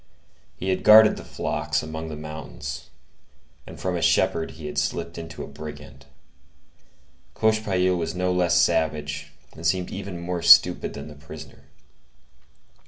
He had guarded the flocks among the mountains, and from a shepherd he had slipped into a brigand. Cochepaille was no less savage and seemed even more stupid than the prisoner.